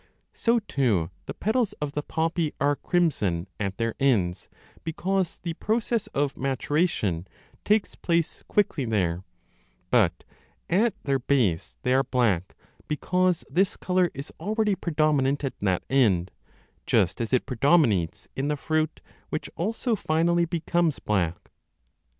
So, too, 30 the petals of the poppy are crimson at their ends, because the process of maturation takes place quickly there, but at their base they are black, because this colour is already predominant at that end; just as it predominates in the 7g6 b fruit, which also finally becomes black.